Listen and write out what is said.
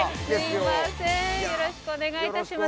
よろしくお願いします。